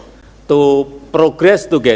untuk berkembang bersama